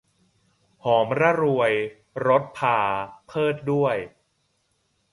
หอมระรวยรสพา เพริศด้วย